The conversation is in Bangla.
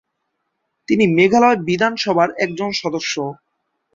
তিনি মেঘালয় বিধানসভার একজন সদস্য।